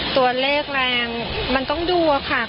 ตัวเลขแรงมันต้องดูอะค่ะ